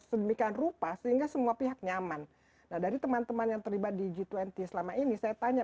sedemikian rupa sehingga semua pihak nyaman nah dari teman teman yang terlibat di g dua puluh selama ini saya tanya